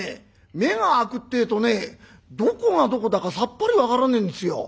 目が明くってえとねどこがどこだかさっぱり分からねえんですよ」。